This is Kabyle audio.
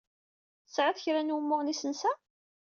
Tesɛid kra n wumuɣ n yisensa?